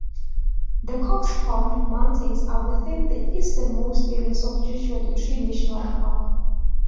The Coxcomb Mountains are within the easternmost area of Joshua Tree National Park.